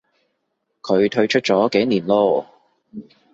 佢退出咗幾年咯